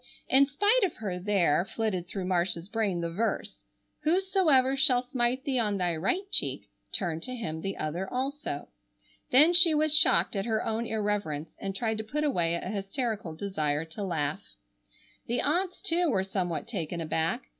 In spite of her there flitted through Marcia's brain the verse, "Whosoever shall smite thee on thy right cheek, turn to him the other also." Then she was shocked at her own irreverence and tried to put away a hysterical desire to laugh. The aunts, too, were somewhat taken aback.